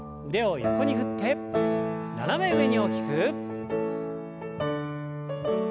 腕を横に振って斜め上に大きく。